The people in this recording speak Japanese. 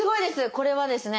これはですね